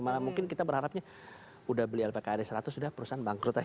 malah mungkin kita berharapnya udah beli lpkrd seratus udah perusahaan bangkrut aja